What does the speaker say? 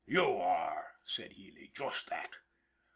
"You are!" said Healy. "Just that!"